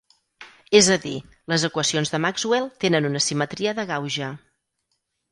És a dir, les equacions de Maxwell tenen una simetria de gauge.